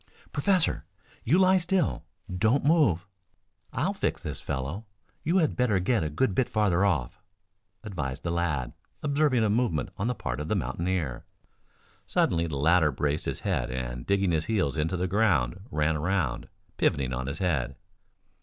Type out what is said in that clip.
"Professor, you lie still. Don't move. I'll fix this fellow. You had better get a good bit farther off," advised the lad, observing a movement on the part of the mountaineer. Suddenly the latter braced his head and digging his heels into the ground ran around, pivoting on his head.